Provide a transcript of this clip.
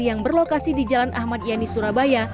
yang berlokasi di jalan ahmad yani surabaya